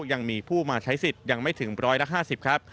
ยังมีผู้มาใช้สิทธิ์ยังไม่ถึง๑๕๐ครับ